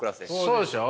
そうでしょ。